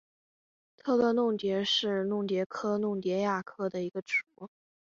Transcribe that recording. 特乐弄蝶属是弄蝶科弄蝶亚科中的一个属。